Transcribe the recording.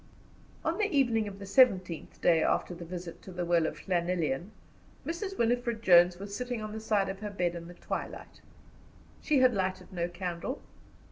On the evening of the seventeenth day after the visit to the well of Llanelian, Mrs. Winifred Jones was sitting on the side of her bed in the twilight. She had lighted no candle.